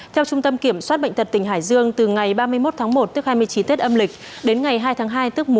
theo trung tâm kiểm soát bệnh tật tỉnh hải dương từ ngày ba mươi một tháng một đến ngày hai tháng hai